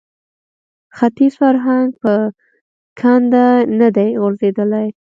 ختیز فرهنګ په کنده نه دی غورځېدلی